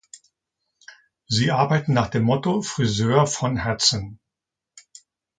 Sie arbeiten nach dem Motto „Friseur von Herzen“.